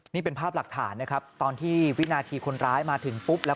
นี่เป็นภาพหลักฐานนะครับตอนที่วินาทีคนร้ายมาถึงปุ๊บแล้ว